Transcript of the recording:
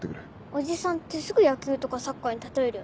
おじさんってすぐ野球とかサッカーに例えるよね。